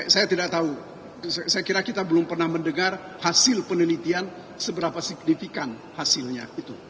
saya tidak tahu saya kira kita belum pernah mendengar hasil penelitian seberapa signifikan hasilnya